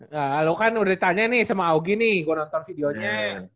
nah lo kan udah ditanya nih sama augie nih gue nonton videonya